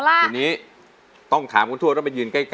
๑๐๐๐๐บาทแล้วคุณนี้ต้องถามคุณทวดแล้วไปยืนใกล้